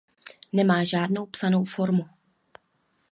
Nemá žádnou psanou formu.